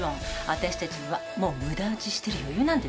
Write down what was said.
私たちにはもう無駄撃ちしてる余裕なんてないんだよ。